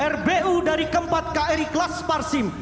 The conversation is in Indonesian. rbu dari keempat kri kelas parsim